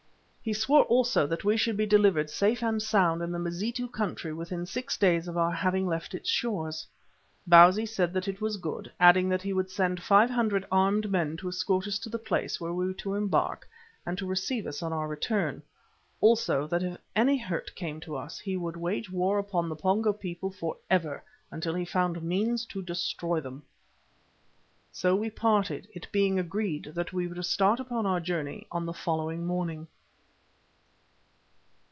He swore also that we should be delivered safe and sound in the Mazitu country within six days of our having left its shores. Bausi said that it was good, adding that he would send five hundred armed men to escort us to the place where we were to embark, and to receive us on our return; also that if any hurt came to us he would wage war upon the Pongo people for ever until he found means to destroy them. So we parted, it being agreed that we were to start upon our journey on the following morning.